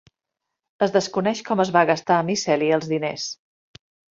Es desconeix com es va gastar Miceli els diners.